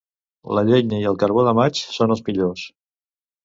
La llenya i el carbó de maig són els millors.